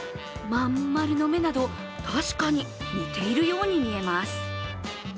まん丸の目など、確かに似ているに見えます。